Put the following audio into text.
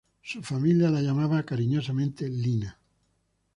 Su familia la llamaba cariñosamente "Lina".